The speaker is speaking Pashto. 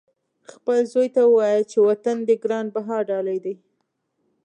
خپل زوی ته ووایه چې وطن دې ګران بها ډالۍ دی.